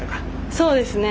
そうですね。